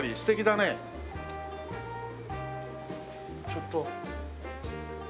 ちょっと。